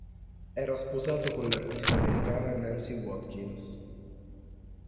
Era sposato con l'artista americana Nancy Watkins.